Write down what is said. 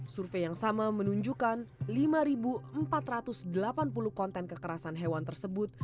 survei yang sama menunjukkan lima empat ratus delapan puluh konten kekerasan hewan tersebut